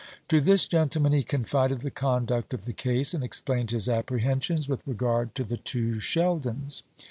To this gentleman he confided the conduct of the case; and explained his apprehensions with regard to the two Sheldons.